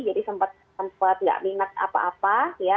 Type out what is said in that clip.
jadi sempat sempat tidak minat apa apa ya